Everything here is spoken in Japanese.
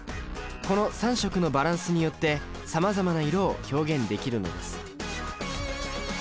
この３色のバランスによってさまざまな色を表現できるのです。